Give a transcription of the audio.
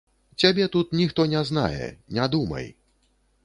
Цябе тут ніхто не знае, не думай.